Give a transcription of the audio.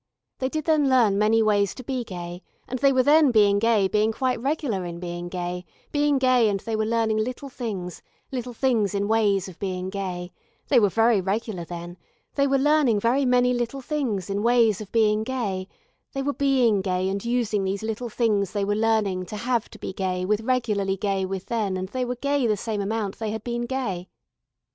They did then learn many ways to be gay and they were then being gay being quite regular in being gay, being gay and they were learning little things, little things in ways of being gay, they were very regular then, they were learning very many little things in ways of being gay, they were being gay and using these little things they were learning to have to be gay with regularly gay with then and they were gay the same amount they had been gay.